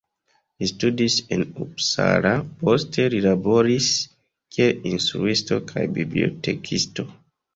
Li studis en Uppsala, poste li laboris kiel instruisto kaj bibliotekisto.